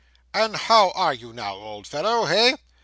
'And how are you now, old fellow, hey?